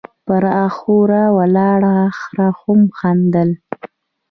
، پر اخوره ولاړ خره هم خندل،